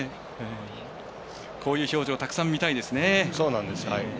こういう表情をたくさんみたいですね。